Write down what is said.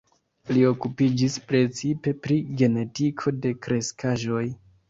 Li okupiĝis precipe pri genetiko de kreskaĵoj.